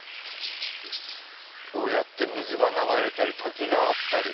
こうやって水が流れたり滝があったり。